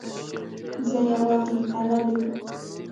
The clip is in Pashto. زه یوه مقاله لیکم.